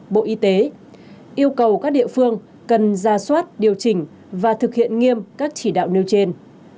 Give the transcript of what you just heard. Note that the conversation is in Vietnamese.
bộ y tế yêu cầu các địa phương cần ra soát điều chỉnh và thực hiện nghiêm các chỉ đạo nêu trên